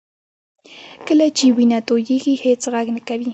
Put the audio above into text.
کله چې وینه تویېږي هېڅ غږ نه کوي